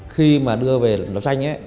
khi mà đưa về đấu tranh